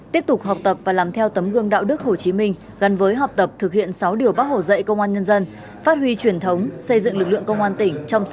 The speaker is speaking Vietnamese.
tiếp tục học tập và làm theo tấm gương đạo đức hồ chí minh gắn với học tập thực hiện sáu điều bác hồ dạy công an nhân dân phát huy truyền thống xây dựng lực lượng công an tỉnh trong sạch